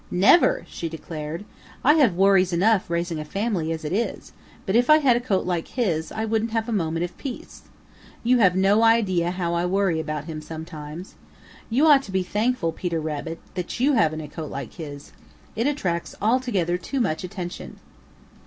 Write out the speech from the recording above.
"Never!" she declared. "I have worries enough raising a family as it is, but if I had a coat like his I wouldn't have a moment of peace. You have no idea how I worry about him sometimes. You ought to be thankful, Peter Rabbit, that you haven't a coat like his. It attracts altogether too much attention."